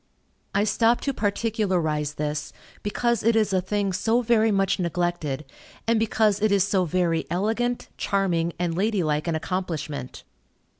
I stop to particularize this, because it is a thing so very much neglected, and because it is so very elegant, charming, and lady like an accomplishment.